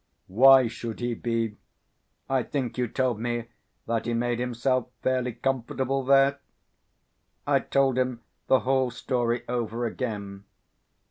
"Why should he be? I think you told me that he made himself fairly comfortable there?" I told him the whole story over again.